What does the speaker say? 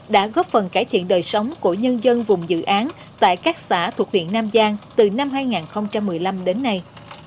đã góp phần cải thiện đời sống của nhân dân vùng dự án tại các xã thuộc huyện nam giang từ năm hai nghìn một mươi năm đến nay